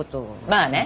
まあね。